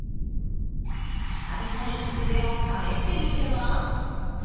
久々に腕を試してみては？